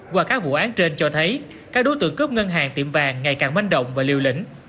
qua các vụ án trên cho thấy các đối tượng cướp ngân hàng tiệm vàng ngày càng manh động và liều lĩnh